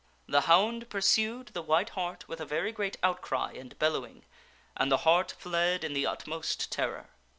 The hound pursued the white hart with a very great outcry and bellow ing, and the hart fled in the utmost terror.